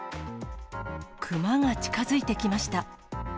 熊が近づいてきました。